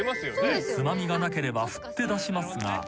［つまみがなければ振って出しますが］